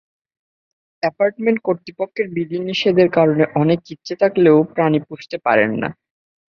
Apartment কর্তৃপক্ষের বিধিনিষেধের কারণে অনেকে ইচ্ছে থাকলেও প্রাণী পুষতে পারেন না।